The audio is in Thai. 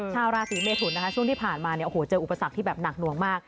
ชาวราศีเมทุนนะคะช่วงที่ผ่านมาเนี่ยโอ้โหเจออุปสรรคที่แบบหนักหน่วงมาก